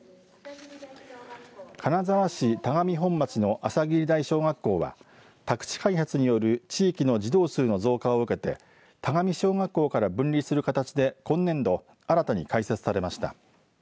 金沢市田上本町の朝霧台小学校は宅地開発による地域の児童数の増加を受けて田上小学校から分離する形で今年度新たに開設されました。